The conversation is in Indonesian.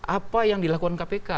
apa yang dilakukan kpk